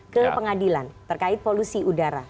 ke pengadilan terkait polusi udara